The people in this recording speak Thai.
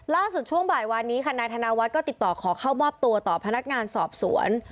ช่วงบ่ายวานนี้ค่ะนายธนวัฒน์ก็ติดต่อขอเข้ามอบตัวต่อพนักงานสอบสวน